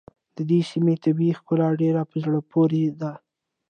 د دې سيمې طبیعي ښکلا ډېره په زړه پورې ده.